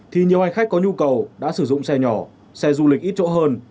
thì nhiều hành khách có nhu cầu đã sử dụng xe nhỏ xe du lịch ít chỗ hơn